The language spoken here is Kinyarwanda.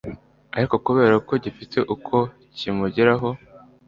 ariko kubera ko gifite uko kimugeraho